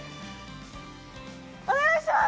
お願いします。